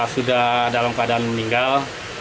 sudah dalam keadaan meninggal